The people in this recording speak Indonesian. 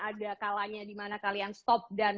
ada kalanya dimana kalian stop dan